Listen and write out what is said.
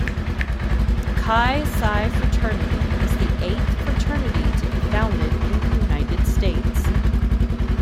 Chi Psi Fraternity is the eighth fraternity to be founded in the United States.